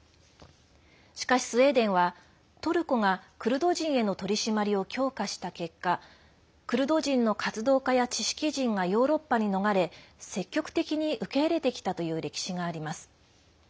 しかし、スウェーデンはトルコがクルド人への取り締まりを強化した結果クルド人の活動家や知識人がヨーロッパに逃れ積極的に受け入れてきたという歴史があります。